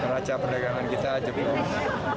raca perdagangan kita jepun